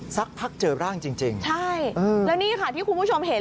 สักพักเจอร่างจริงจริงใช่แล้วนี่ค่ะที่คุณผู้ชมเห็น